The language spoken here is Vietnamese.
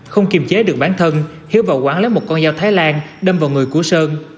không kiềm chế được bản thân hiếu vào quán lấy một con dao thái lan đâm vào người của sơn